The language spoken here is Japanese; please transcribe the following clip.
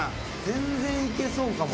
全然いけそうかも。